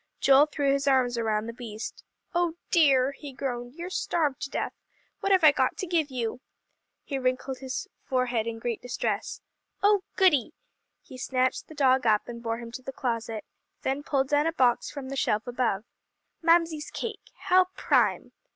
Joel threw his arms around the beast. "Oh dear!" he groaned, "you're starved to death. What have I got to give you?" He wrinkled his forehead in great distress. "Oh goody!" He snatched the dog up, and bore him to the closet, then pulled down a box from the shelf above. "Mamsie's cake how prime!"